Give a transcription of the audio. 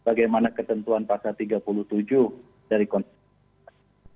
bagaimana ketentuan pasal tiga puluh tujuh dari konstitusi